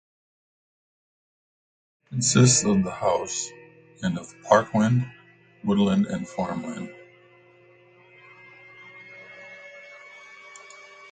The estate consists of the house and of parkland, woodland and farmland.